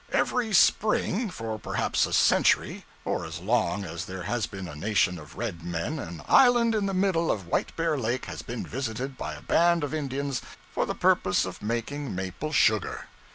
Every spring, for perhaps a century, or as long as there has been a nation of red men, an island in the middle of White bear Lake has been visited by a band of Indians for the purpose of making maple sugar.